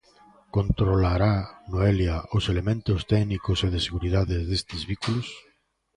Controlará, Noelia, os elementos técnicos e de seguridade destes vehículos.